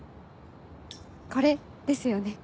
これですよね？